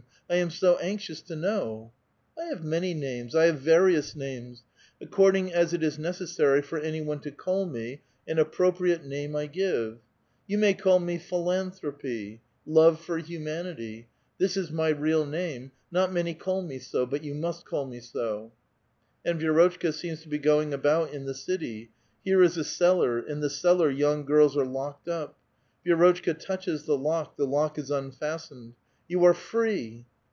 I am so anxious to know !"" 1 have many names; I have various names. According as it is necessary for any one to call me, an appropriate name 1 give ! Y^ou may call me Philanthropy [literally*, love for humanity]. This is my real name; not many call me so. But vou must call me so." And Vi^rotchka seems to be going about in the cit3' ; here is a cellar, in the cellar young girls are locked up. Vi6 rotchka touches the lock, the lock is unfastened. " You are free